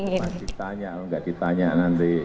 masih ditanya nggak ditanya nanti